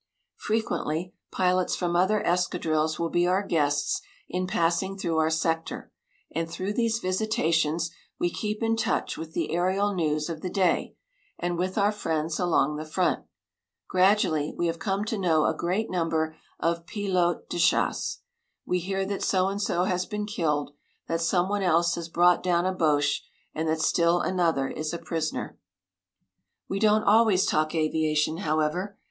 Frequently pilots from other escadrilles will be our guests in passing through our sector, and through these visitations we keep in touch with the aërial news of the day, and with our friends along the front. Gradually we have come to know a great number of pilotes de chasse. We hear that so & so has been killed, that some one else has brought down a Boche and that still another is a prisoner. We don't always talk aviation, however.